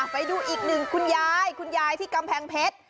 ไปดูอีกหนึ่งคุณยายคุณยายที่กำแพงเพชร